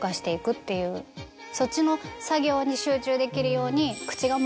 そっちの作業に集中できるように。